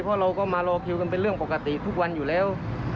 เพราะเราก็มารอคิวกันเป็นเรื่องปกติทุกวันอยู่แล้ว